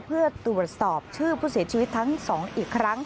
เพื่อตรวจสอบชื่อผู้เสียชีวิตทั้ง๒อีกครั้ง